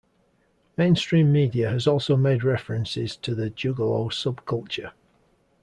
Mainstream media has also made references to the Juggalo subculture.